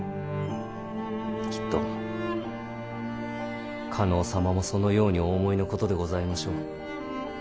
きっと加納様もそのようにお思いのことでございましょう。